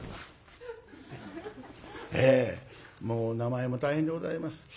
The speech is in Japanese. ええもう名前も大変でございます。